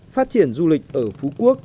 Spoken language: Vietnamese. phát triển du lịch ở phú quốc